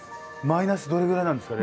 マイナスどれぐらいなんですか？